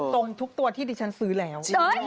ตรงทุกตัวที่ดิฉันซื้อแล้ว